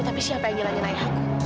tapi siapa yang nyalahin ayah aku